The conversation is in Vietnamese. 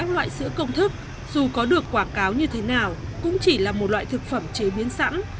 các loại sữa công thức dù có được quảng cáo như thế nào cũng chỉ là một loại thực phẩm chế biến sẵn